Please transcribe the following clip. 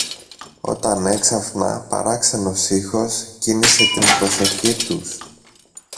όταν έξαφνα παράξενος ήχος κίνησε την προσοχή τους.